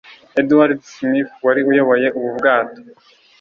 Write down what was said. Edward Smith wari uyoboye ubu bwato